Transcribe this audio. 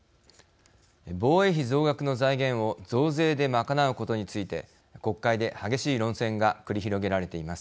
防衛費増額の財源を増税で賄うことについて国会で激しい論戦が繰り広げられています。